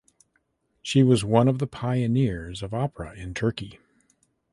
She was one of the pioneers of opera in Turkey.